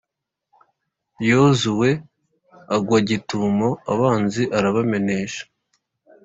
Yozuwe agwa gitumo abanzi, arabamenesha,